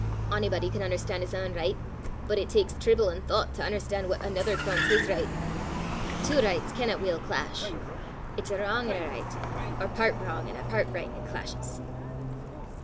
Onybody can un'erstan' his ain richt, but it taks trible an' thoucht to un'erstan' what anither coonts his richt. Twa richts canna weel clash. It's a wrang an' a richt, or pairt wrang an' a pairt richt 'at clashes."